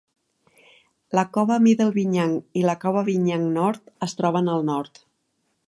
La cova Middle Binyang i la cova Binyang nord es troben al nord.